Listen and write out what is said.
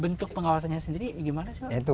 bentuk pengawasannya sendiri gimana sih